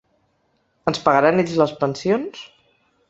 Ens pagaran ells les pensions?.